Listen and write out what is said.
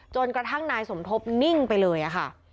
จนกระทั่งนายสมทบนิ่งไปเลยค่ะ